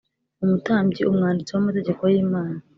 umutambyi umwanditsi w amategeko y Imana